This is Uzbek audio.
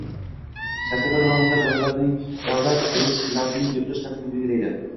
Shaxsga doir ma’lumotlar bazalarining davlat reyestrini yuritish tartibini belgilaydi;